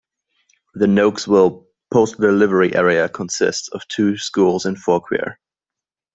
The Nokesville postal delivery area consists of two schools in Fauquier.